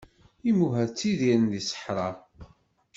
Imuha tidiren deg seḥra.